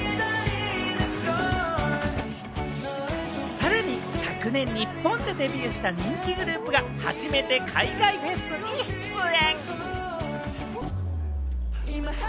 さらに、昨年、日本でデビューした人気グループが初めて海外フェスに出演。